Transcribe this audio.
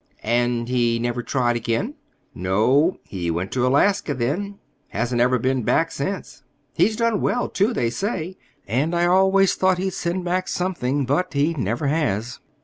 "And he never tried—again?" "No. He went to Alaska then. Hasn't ever been back since. He's done well, too, they say, and I always thought he'd send back something; but he never has.